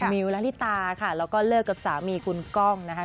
มิวละลิตาค่ะแล้วก็เลิกกับสามีคุณก้องนะคะ